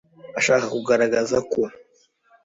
ashaka kugaragaza ko